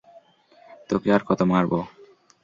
তোকে আর কত মারব!